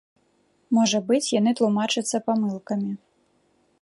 Можа быць, яны тлумачацца памылкамі.